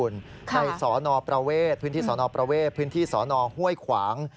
ในพื้นที่สอนอประเวทพื้นที่สอนอห้วยขวาง